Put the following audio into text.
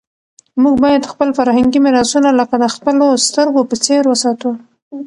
موږ باید خپل فرهنګي میراثونه لکه د خپلو سترګو په څېر وساتو.